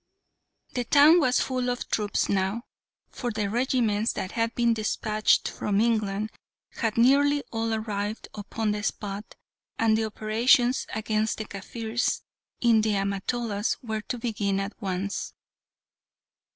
The town was full of troops now, for the regiments that had been despatched from England had nearly all arrived upon the spot, and the operations against the Kaffirs in the Amatolas were to begin at once.